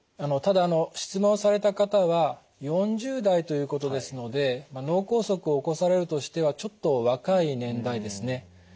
ただ質問された方は４０代ということですので脳梗塞を起こされるとしてはちょっと若い年代ですね。